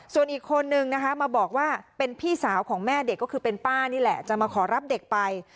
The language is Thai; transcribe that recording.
ส่วนอีกคนนึงนะคะมาบอกว่าเป็นพี่สาวของแม่เด็กก็คือเป็นป้านี่แหละจะมาขอรับเด็กไป